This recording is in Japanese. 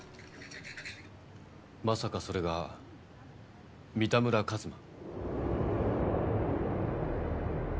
まさかそれが三田村一馬？